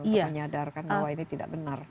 untuk menyadarkan bahwa ini tidak benar